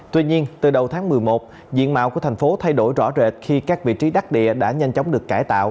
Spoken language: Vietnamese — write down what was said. tuy nhiên từ đầu tháng một mươi một diện mạo của thành phố thay đổi rõ rệt khi các vị trí đắc địa đã nhanh chóng được cải tạo